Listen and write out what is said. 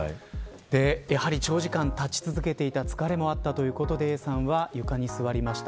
やはり、長時間立ち続けていた疲れもあったということでＡさんは床に座りました。